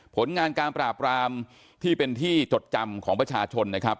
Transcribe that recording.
ผลงานการปราบรามที่เป็นที่จดจำของประชาชนนะครับ